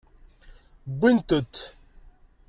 Wwint-t.